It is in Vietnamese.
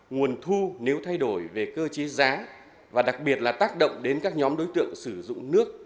nguồn thu nếu thay đổi về cơ chế giá và đặc biệt là tác động đến các nhóm đối tượng sử dụng nước